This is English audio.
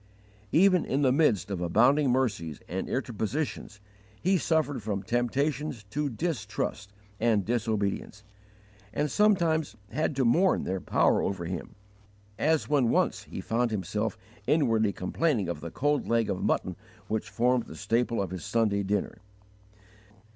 Even in the midst of abounding mercies and interpositions he suffered from temptations to distrust and disobedience, and sometimes had to mourn their power over him, as when once he found himself inwardly complaining of the cold leg of mutton which formed the staple of his Sunday dinner!